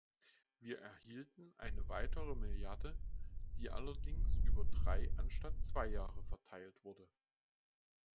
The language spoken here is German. Wir erhielten eine weitere Milliarde, die allerdings über drei anstatt zwei Jahre verteilt wurde.